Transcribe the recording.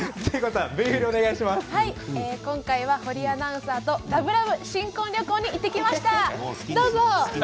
今回は堀井アナウンサーとラブラブ新婚旅行に行ってきました。